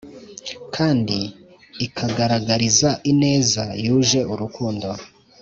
kandi ikagaragariza ineza yuje urukundo